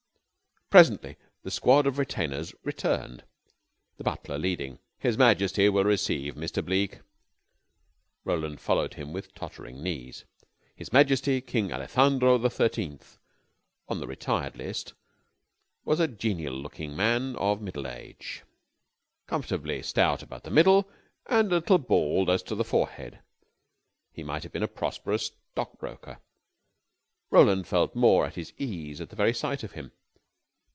Presently the squad of retainers returned, the butler leading. "His Majesty will receive Mr. Bleke." Roland followed him with tottering knees. His Majesty, King Alejandro the Thirteenth, on the retired list, was a genial looking man of middle age, comfortably stout about the middle and a little bald as to the forehead. He might have been a prosperous stock broker. Roland felt more at his ease at the very sight of him.